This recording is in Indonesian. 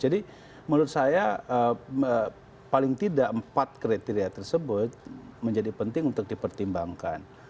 jadi menurut saya paling tidak empat kriteria tersebut menjadi penting untuk dipertimbangkan